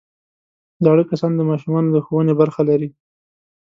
زاړه کسان د ماشومانو د ښوونې برخه لري